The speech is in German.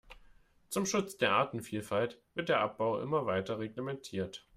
Zum Schutz der Artenvielfalt wird der Abbau immer weiter reglementiert.